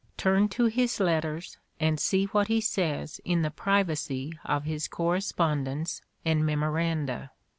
Turn to his let ters and see what he says in the privacy of his corres pondence and memoranda.